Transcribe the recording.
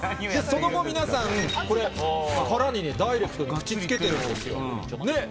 その後、皆さん、これ、殻にダイレクトに口つけてるんですよ。ね？